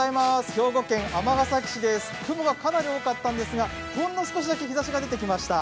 兵庫県尼崎市ですが雲がかなり多かったんですがほんの少しだけ日ざしが出てきました。